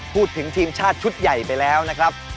ทีมชาติชุดใหญ่ไปแล้วนะครับ